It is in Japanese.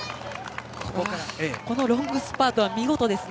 このロングスパートは見事です。